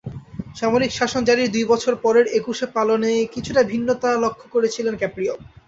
সামরিক শাসন জারির দুই বছর পরের একুশে পালনে কিছুটা ভিন্নতা লক্ষ করেছিলেন ক্যাপ্রিও।